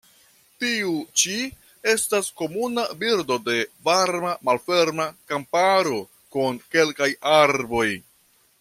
Tiu ĉi estas komuna birdo de varma malferma kamparo kun kelkaj arboj.